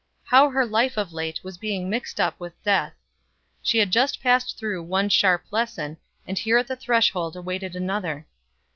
How her life of late was being mixed up with death. She had just passed through one sharp lesson, and here at the threshold awaited another.